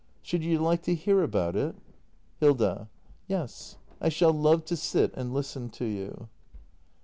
] Should you like to hear about it ? Hilda. Yes, I shall love to sit and listen to you.